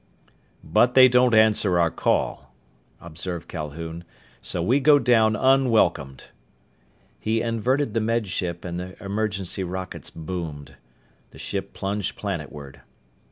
"But they don't answer our call," observed Calhoun, "so we go down unwelcomed." He inverted the Med Ship and the emergency rockets boomed. The ship plunged planetward.